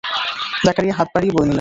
জাকারিয়া হাত বাড়িয়ে বই নিলেন।